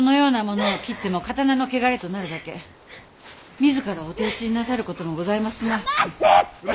自らお手討ちになさることもございますまい。